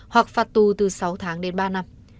hoặc phạt tù từ sáu tháng đến ba năm